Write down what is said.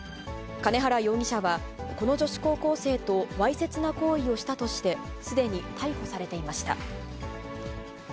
兼原容疑者はこの女子高校生とわいせつな行為をしたとして、すでに逮捕されていました。